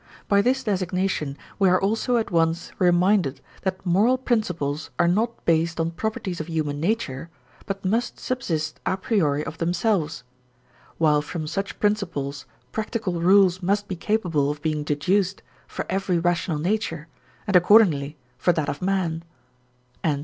By this designation we are also at once reminded that moral principles are not based on properties of human nature, but must subsist a priori of themselves, while from such principles practical rules must be capable of being deduced for every rational nature, and accordingly for that of man.